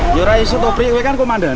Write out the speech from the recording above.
mas raiso kamu komandan kan